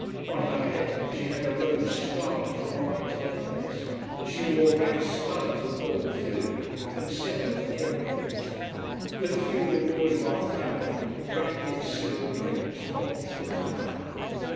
On her head she had a rose scarlet and white head dress, and she wore great studs of gold filigree, and similar ear rings. The feudal bourgeois family drank its syrup drinks and watched the crowd.